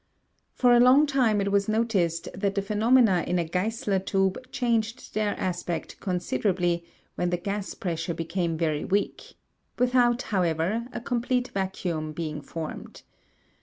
For a long time it was noticed that the phenomena in a Geissler tube changed their aspect considerably, when the gas pressure became very weak, without, however, a complete vacuum being formed.